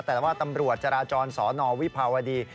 แต่ว่าตำรวจจราจรสนวิภาวดี